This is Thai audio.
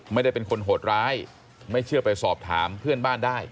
ไม่ได้เป็นคนโหดร้ายไม่เชื่อไปสอบถามเพื่อนบ้านได้